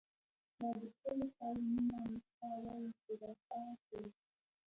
لا دخپلی خاوری مینه، مونږ ته وایی چه ر ا پا څۍ